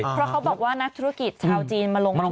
เพราะเขาบอกว่านักธุรกิจชาวจีนมาลงทุน